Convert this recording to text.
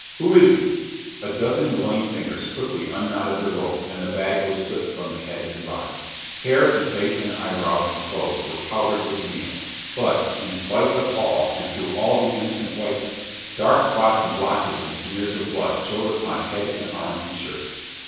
Who is he?" A dozen willing fingers quickly unknotted the rope and the bag was slipped from the head and body. Hair and face and eyebrows and clothes were powdered with meal, but, in spite of all and through all the innocent whiteness, dark spots and blotches and smears of blood showed upon head and arm and shirt.